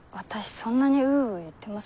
そんなに「うう」言ってます？